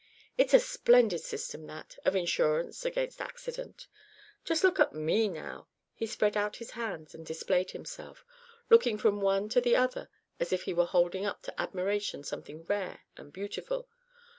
It's a splendid system that, of insurance against accident. Just look at me, now." He spread out his hands and displayed himself, looking from one to the other as if he were holding up to admiration something rare and beautiful.